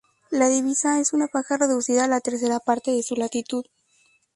La "divisa" es una faja reducida a la tercera parte de su latitud.